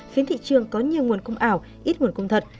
khiến thị trường có nhiều nguồn cung ảo ít nguồn cung thật